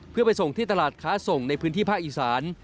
เพื่อไปส่งที่ตลาดค้าส่งในพื้นที่ภาคอีสาน